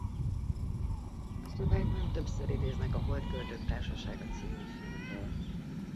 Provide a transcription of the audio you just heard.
A szövegben többször idéznek a Holt költők társasága c. filmből.